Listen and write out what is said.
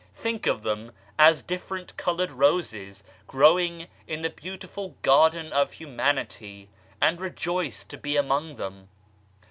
Think of them as different coloured roses growing in the beautiful garden of Humanity, and rejoice to be among them.